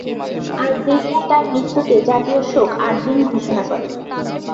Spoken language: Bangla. আলজেরিয়া তার মৃত্যুতে জাতীয় শোক আট দিন ঘোষণা করে।